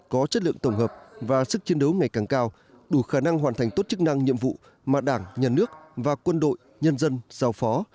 có chất lượng tổng hợp và sức chiến đấu ngày càng cao đủ khả năng hoàn thành tốt chức năng nhiệm vụ mà đảng nhà nước và quân đội nhân dân giao phó